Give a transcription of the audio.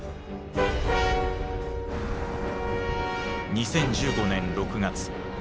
２０１５年６月。